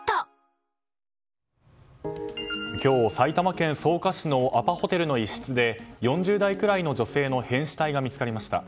今日、埼玉県草加市のアパホテルの一室で４０代くらいの女性の変死体が見つかりました。